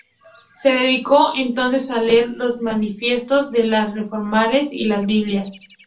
Se dedicó entonces a leer los manifiestos de los reformadores y la Biblia.